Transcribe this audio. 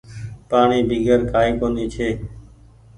پآڻيٚ بيگر ڪآئي ڪونيٚ ڇي۔